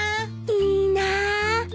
いいなあ。